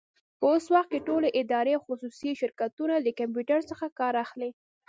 په اوس وخت کي ټولي ادارې او خصوصي شرکتونه د کمپيوټر څخه کار اخلي.